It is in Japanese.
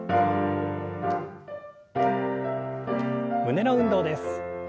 胸の運動です。